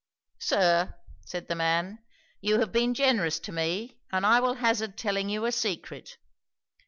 '"Sir," said the man, "you have been generous to me, and I will hazard telling you a secret.